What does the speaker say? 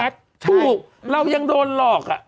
ถูกเรายังโดนหลอก